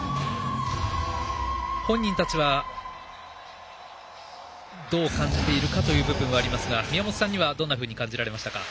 本人たちはどう感じているかという部分はありますが宮本さんにはどんなふうに感じられましたか？